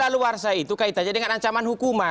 dalo warsa itu kait aja dengan ancaman hukuman